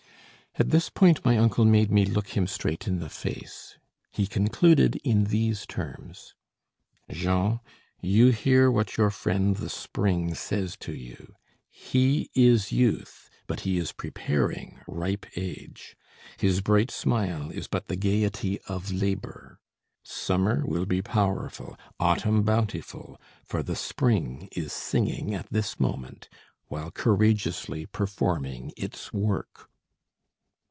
At this point my uncle made me look him straight in the face. He concluded in these terms: "Jean, you hear what your friend the spring says to you. He is youth, but he is preparing ripe age; his bright smile is but the gaiety of labour. Summer will be powerful, autumn bountiful, for the spring is singing at this moment, while courageously performing its work."